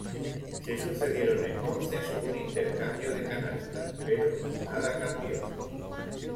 Se sucedieron entonces un intercambio de canastas, pero nada cambió.